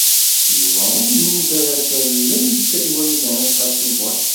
Yuba ur imudd ara tallelt i Wrida n At Qasi Muḥ.